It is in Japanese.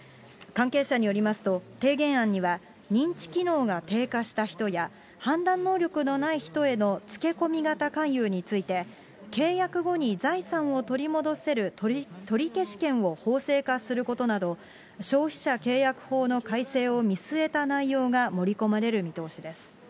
関係者によりますと、提言案には、認知機能が低下した人や、判断能力のない人へのつけ込み型勧誘について、契約後に財産を取り戻せる取り消し権を法制化することなど、消費者契約法の改正を見据えた内容が盛り込まれる見通しです。